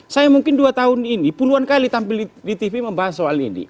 saya mungkin dua tahun ini puluhan kali tampil di tv membahas soal ini